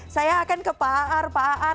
saya akan ke pak aar